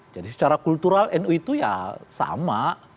jadi secara kultural nu itu ya sama